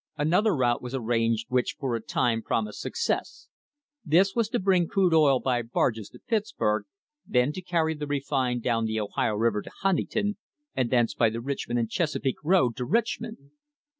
Another route was arranged which for a time promised suc^ cess. This was to bring crude oil by barges to Pittsburg, then to carry the refined down the Ohio River to Huntington and thence by the Richmond and Chesapeake road to Richmond.